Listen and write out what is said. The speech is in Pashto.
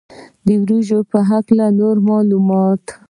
د وریجو په هکله نور معلومات.